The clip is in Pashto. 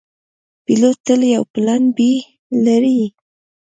پیلوټ تل یو پلان “B” لري.